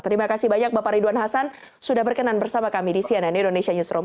terima kasih banyak bapak ridwan hasan sudah berkenan bersama kami di cnn indonesia newsroom